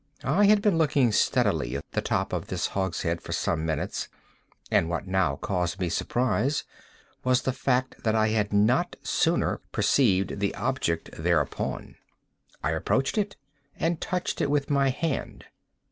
I had been looking steadily at the top of this hogshead for some minutes, and what now caused me surprise was the fact that I had not sooner perceived the object thereupon. I approached it, and touched it with my hand.